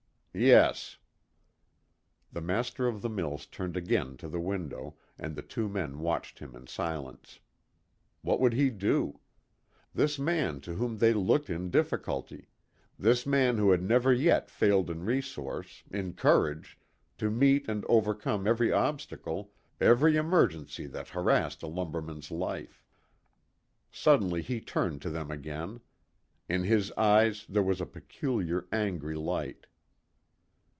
"Yes." The master of the mills turned again to the window, and the two men watched him in silence. What would he do? This man to whom they looked in difficulty; this man who had never yet failed in resource, in courage, to meet and overcome every obstacle, every emergency that harassed a lumberman's life. Suddenly he turned to them again. In his eyes there was a peculiar, angry light.